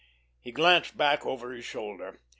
He glanced back over his shoulder.